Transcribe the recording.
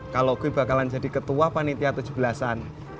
kalau gue bakalan jadi ketua panita tujuh belasan